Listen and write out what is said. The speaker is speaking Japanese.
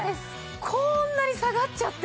こーんなに下がっちゃって。